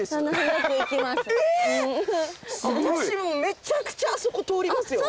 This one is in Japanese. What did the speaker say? めちゃくちゃあそこ通りますよ。